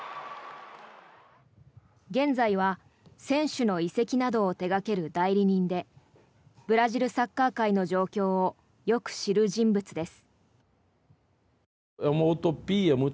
現在は選手の移籍などを手掛ける代理人でブラジルサッカー界の状況をよく知る人物です。